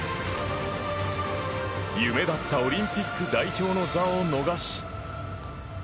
夢だったオリンピック代表の座を逃し。